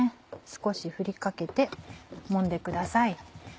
少し振り掛けてもんでください。